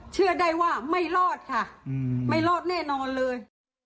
เชื่อได้ว่าไม่รอดค่ะไม่รอดแน่นอนเลย